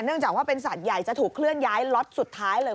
จากว่าเป็นสัตว์ใหญ่จะถูกเคลื่อนย้ายล็อตสุดท้ายเลย